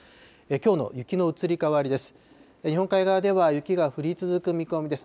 きょうの雪の移り変わりです。